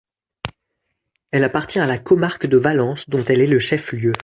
Elle appartient à la comarque de Valence, dont elle est le chef-lieu.